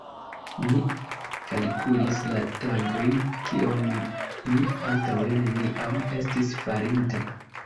Mi kalkulis la tagojn, kion mi antaŭe neniam estis farinta.